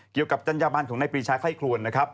เกี่ยวกับจรรยาบาลของนายปีชาไข้ครวล